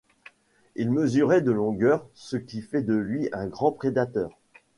Il mesurait de longueur ce qui fait de lui un grand prédateur.